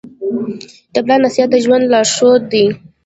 د پلار نصیحت د ژوند لارښود دی.